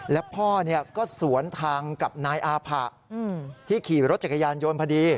แล้วพ่อก็สวนทางกับนายอาผะที่ขี่รถจักรยานยนต์พอดี